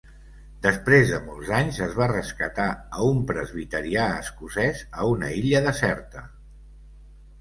Després de molts anys, es va rescatar a un presbiterià escocès a una illa deserta.